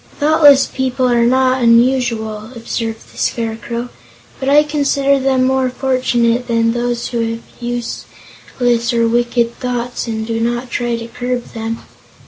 "Thoughtless people are not unusual," observed the Scarecrow, "but I consider them more fortunate than those who have useless or wicked thoughts and do not try to curb them.